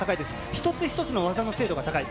一つ一つの技の精度が高い。